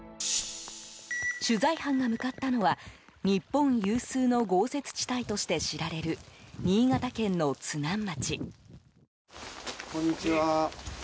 取材班が向かったのは日本有数の豪雪地帯として知られる新潟県の津南町。